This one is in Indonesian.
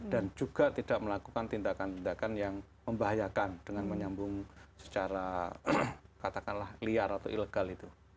dan juga tidak melakukan tindakan tindakan yang membahayakan dengan menyambung secara katakanlah liar atau ilegal itu